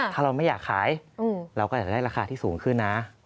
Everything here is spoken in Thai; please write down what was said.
ถ้าเราไม่อยากขายเราก็อยากได้ราคาที่สูงขึ้นนะ